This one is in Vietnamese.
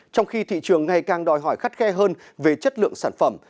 trong khi thị trường ngày càng đòi hỏi khắt khe hơn về chất lượng sản phẩm